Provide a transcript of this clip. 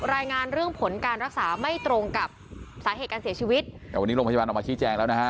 รายงานเรื่องผลการรักษาไม่ตรงกับสาเหตุการเสียชีวิตแต่วันนี้โรงพยาบาลออกมาชี้แจงแล้วนะฮะ